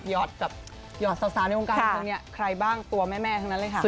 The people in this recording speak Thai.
หยอดสาวในองค์การตรงนี้ใครบ้างตัวแม่นั้นเลยค่ะ